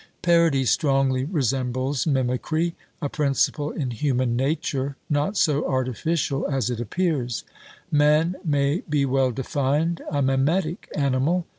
Parody strongly resembles mimicry, a principle in human nature not so artificial as it appears: Man may be well defined a mimetic animal.